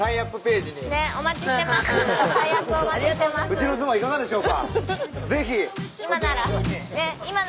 うちの妻いかがでしょうか？